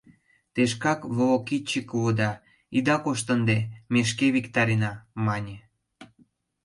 — Те шкак волокитчик улыда, ида кошт ынде, ме шке виктарена, — мане.